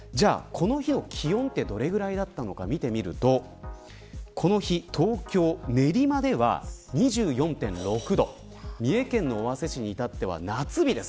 この日の気温はどれぐらいだったのか見てみるとこの日、東京・練馬では２４．６度三重県の尾鷲市に至っては夏日です。